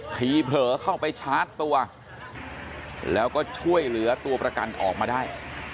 ทีเผลอเข้าไปชาร์จตัวแล้วก็ช่วยเหลือตัวประกันออกมาได้